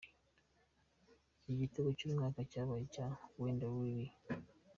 Igitego cy’umwaka cyabaye icya Wendell Lira .